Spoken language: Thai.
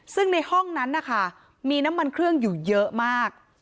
ซึ่งในห้องนั้นนะคะมีน้ำมันเครื่องอยู่เยอะมาก